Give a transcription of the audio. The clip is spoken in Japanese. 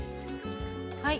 はい。